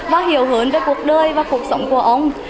và hiểu hơn về cuộc đời và cuộc sống của ông